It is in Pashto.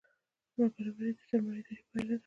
نابرابري د سرمایهدارۍ پایله ده.